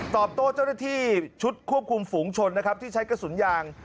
ตอบโตเจ้าหน้าที่ชุดควบคุมฝุงชนที่ใช้กระสุนยาง